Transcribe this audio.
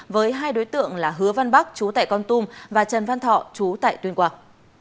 với hai đối tượng là hứa văn bắc chú tại con tum và trần văn thọ chú tại tuyên quang